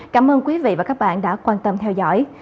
cảm ơn quý vị và các bạn đã quan tâm theo dõi